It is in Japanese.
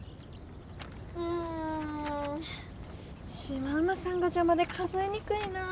うんシマウマさんがじゃまで数えにくいなぁ。